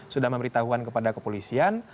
sudah memberitahuan kepada kepolisian